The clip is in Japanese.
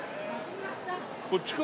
こっちか？